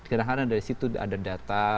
kadang kadang dari situ ada data